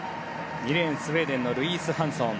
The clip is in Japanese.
２レーン、スウェーデンのルイース・ハンソン。